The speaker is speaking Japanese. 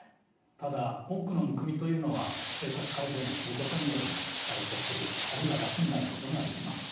ただ多くのむくみというのは生活改善をすることにより解消するあるいは楽になることができます。